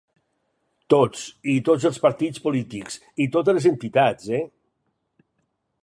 Tots, i tots els partits polítics, i totes les entitats, eh?